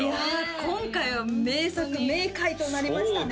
今回は名作名回となりましたね